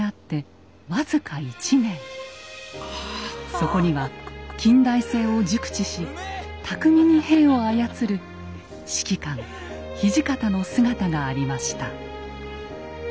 そこには近代戦を熟知し巧みに兵を操る指揮官・土方の姿がありました。